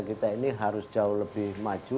kita ini harus jauh lebih maju